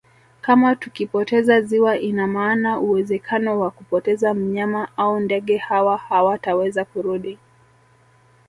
Kama tukipoteza ziwa ina maana uwezekano wa kupoteza wanyama au ndege hawa hawataweza kurudi